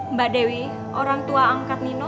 mbak dewi orang tua angkat nino